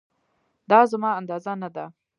دا زما اندازه نه ده